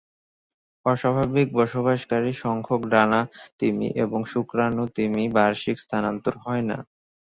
অস্বাভাবিক বসবাসকারী সংখ্যাক ডানা তিমি এবং শুক্রাণু তিমি বার্ষিক স্থানান্তর হয়না।